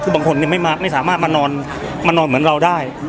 คือบางคนไม่สามารถมานอนเหมือนเราได้